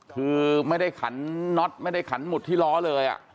คือไม่ได้ขันน็อตไม่ได้ขันหมุดที่ล้อเลย